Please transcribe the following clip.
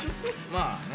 まあね